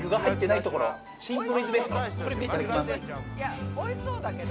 いやおいしそうだけど。